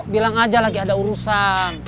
bilang aja lagi ada urusan